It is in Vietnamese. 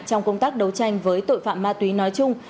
trong công tác đấu tranh với tội phạm ma túy nói chung